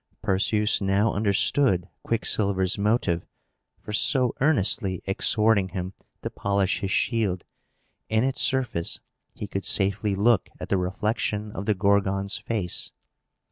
Perseus now understood Quicksilver's motive for so earnestly exhorting him to polish his shield. In its surface he could safely look at the reflection of the Gorgon's face.